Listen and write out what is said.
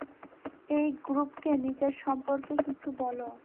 এই গ্রুপকে নিজের সম্পর্কে কিছু বলো।